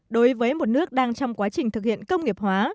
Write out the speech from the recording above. đối với một nước đang trong quá trình thực hiện công nghiệp hóa